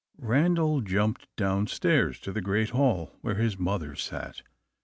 Randal jumped downstairs to the great hall, where his mother sat.